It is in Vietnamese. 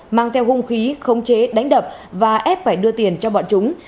mang theo hung khí khống chế đánh đập và ép phải đưa tiền cho bọn chúng